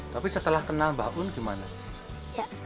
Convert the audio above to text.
tapi setelah kenal mbak un gimana